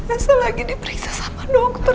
saya lagi diperiksa sama dokter